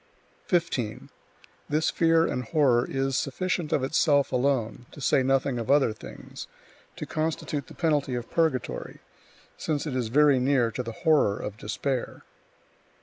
15. This fear and horror is sufficient of itself alone (to say nothing of other things) to constitute the penalty of purgatory, since it is very near to the horror of despair.